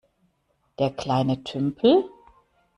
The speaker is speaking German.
Der kleine Tümpel?